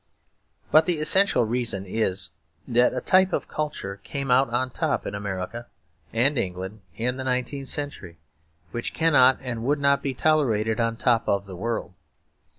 But the essential reason is that a type of culture came out on top in America and England in the nineteenth century, which cannot and would not be tolerated on top of the world.